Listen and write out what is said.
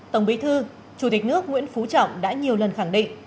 tổng bí thư chủ tịch nước nguyễn phú trọng đã nhiều lần khẳng định